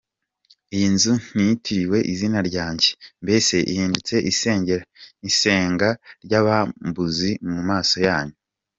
Iyi nzu yitiriwe izina ryanjye, mbese ihindutse isenga ry’abambuzi mu maso yanyu?